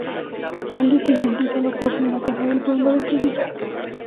Al día siguiente hizo lo propio en la Casa del Pueblo de Sevilla.